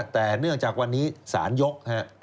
แต่เนื่องจากวันนี้สารยก